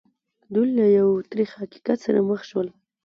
دوی له یو تریخ حقیقت سره مخ شول